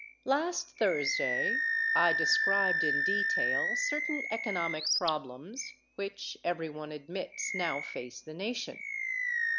Last Thursday I described in detail certain economic problems which everyone admits now face the nation.